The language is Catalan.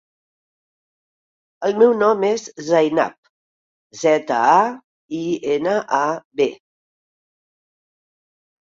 El meu nom és Zainab: zeta, a, i, ena, a, be.